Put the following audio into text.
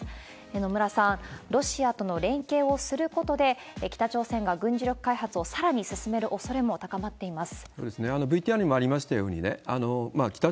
野村さん、ロシアとの連携をすることで、北朝鮮が軍事力開発をさらに進めるおそれも高まっています。